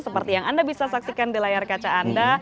seperti yang anda bisa saksikan di layar kaca anda